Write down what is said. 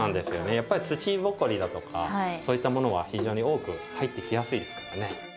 やっぱり土ぼこりだとかそういったものが非常に多く入ってきやすいですからね。